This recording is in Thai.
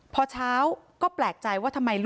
พอเช้าก็แปลกใจ